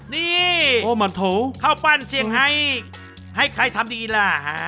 นี่เข้าปั้นเชี่ยงไฮเขาใครทำดีละ